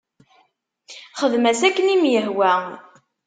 Xdem-as akken i m-ihwa.